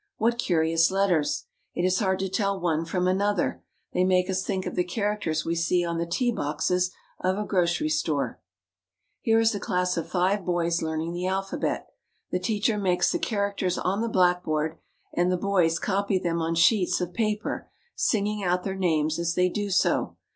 What curious letters ! It is hard to tell one from another ; they make us think of the characters we see on the tea boxes of a grocery store. Here is a class of five boys learning the alphabet. The teacher makes the characters on the blackboard, and the boys copy them on sheets of ■ paper, singing out their names as they do so.